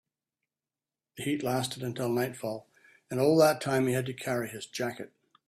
The heat lasted until nightfall, and all that time he had to carry his jacket.